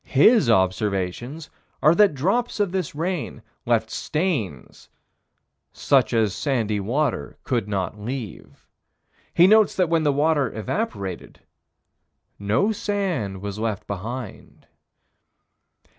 His observations are that drops of this rain left stains "such as sandy water could not leave." He notes that when the water evaporated, no sand was left behind.